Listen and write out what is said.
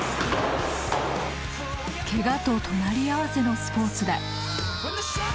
ケガと隣り合わせのスポーツだ。